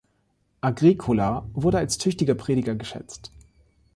Agricola wurde als tüchtiger Prediger geschätzt.